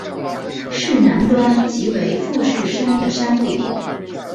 市南端即为富士山的山顶。